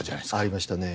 ありましたね。